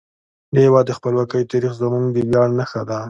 د هیواد د خپلواکۍ تاریخ زموږ د ویاړ نښه ده.